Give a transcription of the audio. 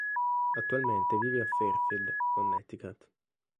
Attualmente vive a Fairfield, Connecticut.